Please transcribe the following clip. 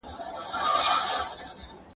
د بازانو پرې یرغل وي موږ پردي یو له خپل ځانه ..